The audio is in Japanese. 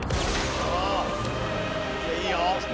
いいよ。